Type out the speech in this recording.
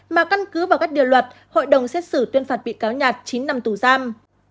mà căn cứ vào các điều luật hội đồng xét xử tuyên phạt bị cáo nhạt chín năm tù giam